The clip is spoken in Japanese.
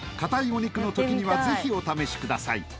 お肉の時には是非お試しください